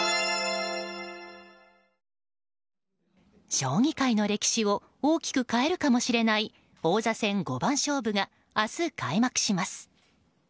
将棋界の歴史を大きく変えるかもしれない王座戦五番勝負が明日、開幕します。